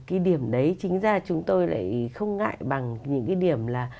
cái điểm đấy chính ra chúng tôi lại không ngại bằng những cái điểm là